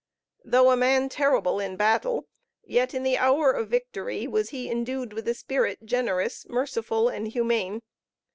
Though a man terrible in battle, yet in the hour of victory was he endued with a spirit generous, merciful and humane.